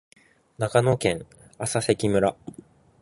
長野県麻績村